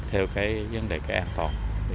theo vấn đề an toàn